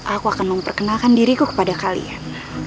aku akan memperkenalkan diriku kepada kalian